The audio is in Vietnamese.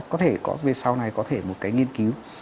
có thể về sau này có thể một cái nghiên cứu